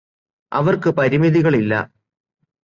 അവര്ക്ക് പരിമിതികളില്ല